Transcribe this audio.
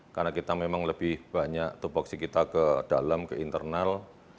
karena kita memang lebih banyak tupuksi kita ke dalam ke internal